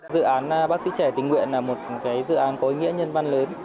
dự án bác sĩ trẻ tình nguyện là một dự án có ý nghĩa nhân văn lớn